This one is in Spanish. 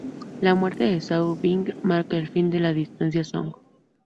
La muerte de Zhao Bing marca el fin de la dinastía Song.